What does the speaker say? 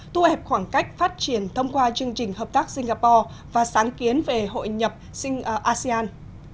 thu hẹp khoảng cách phát triển thông qua chương trình hợp tác singapore và sáng kiến về hội nhập asean